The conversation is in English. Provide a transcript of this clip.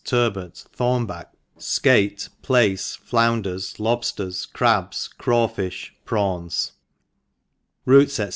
Turbot Thornback Skate l^kice Flounders Lobfters Crabs Craw fifli Prawns n% ROOTS, &c.